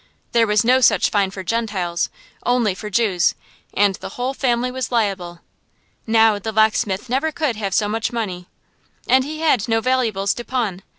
There was no such fine for Gentiles, only for Jews; and the whole family was liable. Now, the locksmith never could have so much money, and he had no valuables to pawn.